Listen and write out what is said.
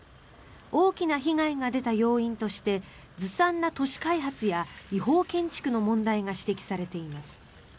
大きな被害が出た要因としてずさんな都市開発や違法建築の問題が指摘されています。